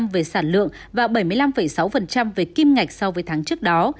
về sản lượng và bảy mươi năm sáu về kim ngạch so với tháng trước đó